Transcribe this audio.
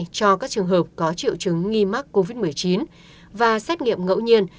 cho các trường hợp có triệu chứng nghi mắc covid một mươi chín và xét nghiệm ngẫu nhiên